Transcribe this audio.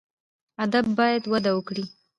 ادب باید وده وکړي